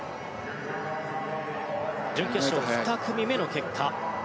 準決勝２組目の結果。